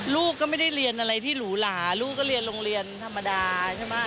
ลูกก็ไม่ได้เรียนอะไรที่หรูหลาลูกก็เรียนโรงเรียนธรรมดาใช่ไหม